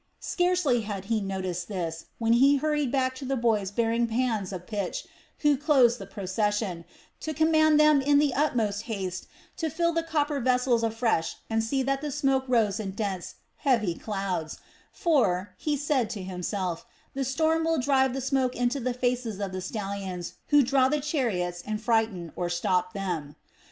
Scarcely had he noticed this, when he hurried back to the boys bearing pans of pitch who closed the procession, to command them in the utmost haste to fill the copper vessels afresh and see that the smoke rose in dense, heavy clouds; for, he said to himself, the storm will drive the smoke into the faces of the stallions who draw the chariots and frighten or stop them.